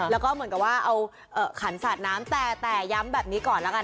แล้วเหมือนกันว่าเอาขันขัดน้ำแต่ย้ำแบบนี้ก่อนละกัน